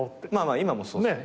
今もそうっすね。